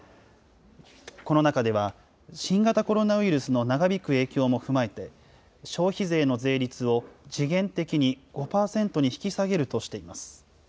この中では、新型コロナウイルスの長引く影響も踏まえて、消費税の税率を時限的に５％に引き下げるとしています。